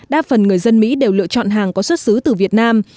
đa phần người dân mỹ đều lựa chọn hàng có xuất xứ từ việt nam